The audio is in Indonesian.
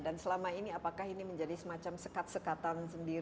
dan selama ini apakah ini menjadi semacam sekat sekatan sendiri